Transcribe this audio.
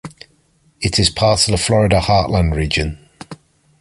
It is part of the Florida Heartland region.